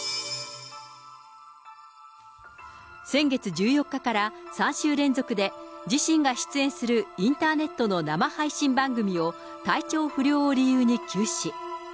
先月１４日から３週連続で、自身が出演するインターネットの生配信番組を体調不良を理由に休止。